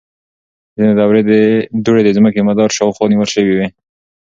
ځینې دوړې د ځمکې مدار شاوخوا نیول شوې وي.